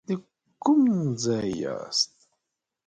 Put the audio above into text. د کوم ځای یاست.